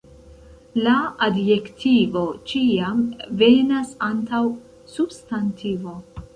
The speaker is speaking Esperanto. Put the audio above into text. La adjektivo ĉiam venas antaŭ substantivo.